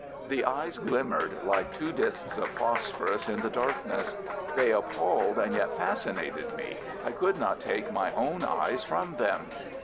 The eyes glimmered like two discs of phosphorus in the darkness. They appalled and yet fascinated me. I could not take my own eyes from them.